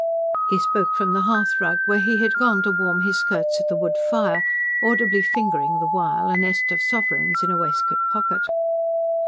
He spoke from the hearthrug, where he had gone to warm his skirts at the wood fire, audibly fingering the while a nest of sovereigns in a waistcoat pocket.